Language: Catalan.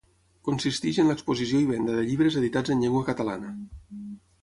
Consisteix en l'exposició i venda de llibres editats en llengua catalana.